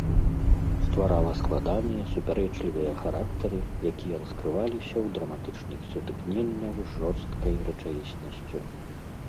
Стварала складаныя, супярэчлівыя характары, якія раскрываліся ў драматычных сутыкненнях з жорсткай рэчаіснасцю.